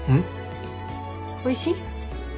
おいしい？